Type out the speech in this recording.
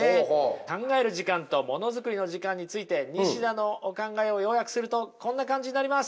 考える時間ともの作りの時間について西田のお考えを要約するとこんな感じになります。